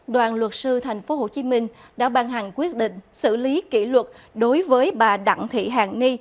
đoàn luật sư tp hcm đã ban hành quyết định xử lý kỷ luật đối với bà đặng thị hàng ni